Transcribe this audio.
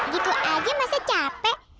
gitu aja masa capek